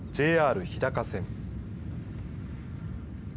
ＪＲ日高線。